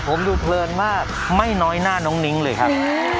ผมดูเพลินมากไม่น้อยหน้าน้องนิ้งเลยครับ